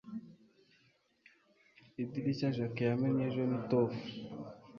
Idirishya Jack yamennye ejo xtofu